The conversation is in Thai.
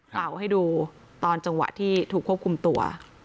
เป่าให้ดูตอนจังหวะที่ถูกควบคุมตัว